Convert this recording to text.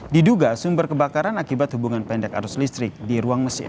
diduga sumber kebakaran akibat hubungan pendek arus listrik di ruang mesin